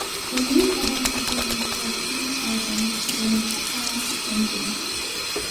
The main urban settlements are Saint Albans and Harpenden.